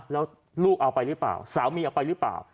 แล้วลูกเอาไปหรือเปล่าสามีเอาไปหรือเปล่า